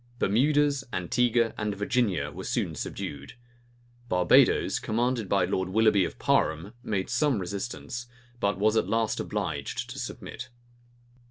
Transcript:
Bermudas, Antigua, and Virginia were soon subdued. Barbadoes, commanded by Lord Willoughby of Parham, made some resistance; but was at last obliged to submit.